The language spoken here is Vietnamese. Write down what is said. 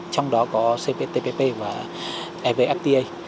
trong đó có cptpp và evfta